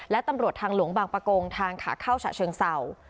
และตำรวจทางหลวงบางประกงทางขาเข้าฉะเชิงเศร้า